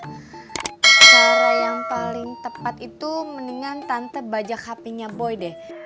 cara yang paling tepat itu mendingan tante bajak hatinya boy deh